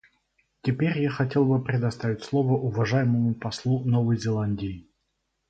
Теперь я хотел бы предоставить слово уважаемому послу Новой Зеландии.